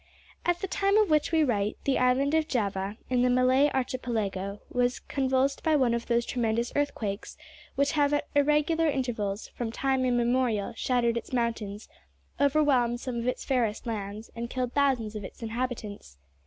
At the time of which we write, the island of Java, in the Malay Archipelago, was convulsed by one of those tremendous earthquakes which have at irregular intervals, from time immemorial, shattered its mountains, overwhelmed some of its fairest lands, and killed thousands of its inhabitants.